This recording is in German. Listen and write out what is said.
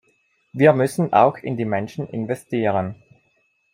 Wir müssen auch in die Menschen investieren.